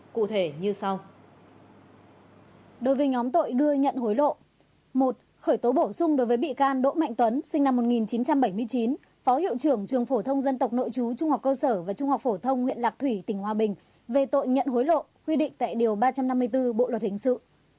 một khởi tố bổ sung đối với bị can đỗ mạnh tuấn sinh năm một nghìn chín trăm bảy mươi chín phó hiệu trưởng trường phổ thông dân tộc nội chú trung học cơ sở và trung học phổ thông huyện lạc thủy tỉnh hòa bình về tội nhận hối lộ quy định tại điều ba trăm năm mươi bốn bộ luật hình sự